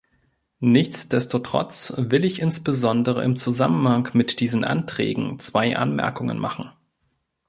Nichtsdestotrotz will ich insbesondere im Zusammenhang mit diesen Anträgen zwei Anmerkungen machen.